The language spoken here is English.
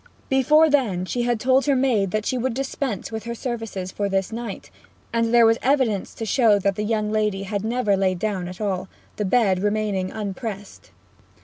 Before then she had told her maid that she would dispense with her services for this night; and there was evidence to show that the young lady had never lain down at all, the bed remaining unpressed.